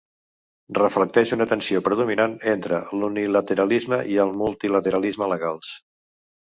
Reflecteix una tensió predominant entre l'unilateralisme i el multilateralisme legals.